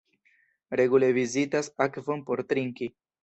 Regule vizitas akvon por trinki.